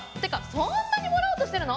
そんなにもらおうとしてるの？